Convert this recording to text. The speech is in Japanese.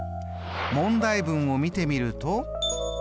問題文を見てみると？